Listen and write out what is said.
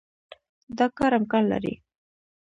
دا کار امکان لري.